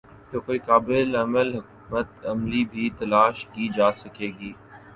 تو کوئی قابل عمل حکمت عملی بھی تلاش کی جا سکے گی۔